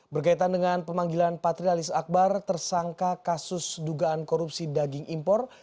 berkaitan dengan pemanggilan patrialis akbar tersangka kasus dugaan korupsi daging impor